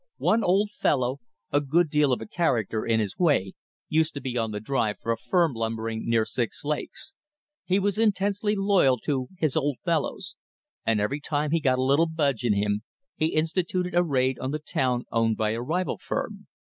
One old fellow, a good deal of a character in his way, used to be on the "drive" for a firm lumbering near Six Lakes. He was intensely loyal to his "Old Fellows," and every time he got a little "budge" in him, he instituted a raid on the town owned by a rival firm.